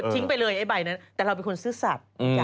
ไปเลยไอ้ใบนั้นแต่เราเป็นคนซื่อสัตว์